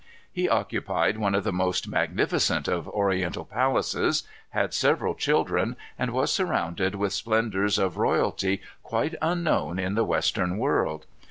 He occupied one of the most magnificent of Oriental palaces, had several children, and was surrounded with splendors of royalty quite unknown in the Western world.